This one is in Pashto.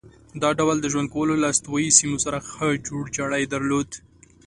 دا ډول د ژوند کولو له استوایي سیمو سره ښه جوړ جاړی درلود.